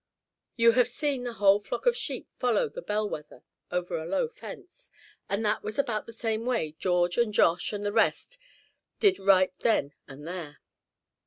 You have seen the whole flock of sheep follow the bellwether over a low fence; and that was about the same way George and Josh and the rest did right then and there.